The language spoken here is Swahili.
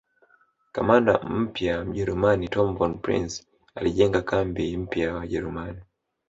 Kamanda mpya Mjerumani Tom Von Prince alijenga kambi mpya ya Wajerumani